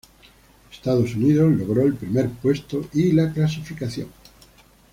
Estados Unidos logró el primer puesto y la clasificación.